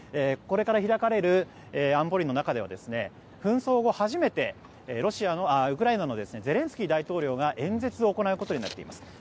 これから開かれる安保理の中では紛争後初めて、ウクライナのゼレンスキー大統領が演説を行うことになっています。